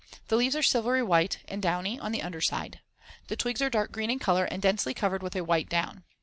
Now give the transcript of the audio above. The leaves are silvery white and downy on the under side. The twigs are dark green in color and densely covered with a white down.